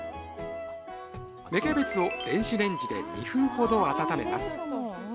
芽キャベツを電子レンジで２分ほど温めます。